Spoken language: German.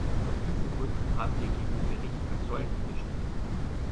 Aus diesen Gründen haben wir gegen den Bericht als solchen gestimmt.